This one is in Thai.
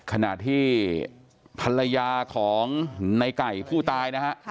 ขณะที่ภรรยาของในไก่ผู้ตายนะฮะ